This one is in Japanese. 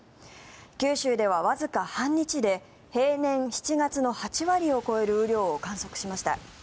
九州ではわずか半日で平年７月の８割を超える雨量を観測しました。